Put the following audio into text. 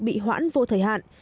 bị hoãn vô thời hạn